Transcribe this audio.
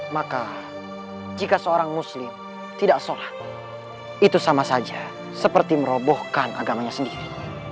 maka jika seorang muslim tidak sholat itu sama saja seperti merobohkan agamanya sendiri